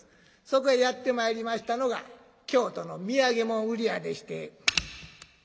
そこへやって参りましたのが京都の土産物売り屋でして。